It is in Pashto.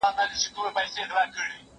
زه اوږده وخت ښوونځی ته ځم وم؟!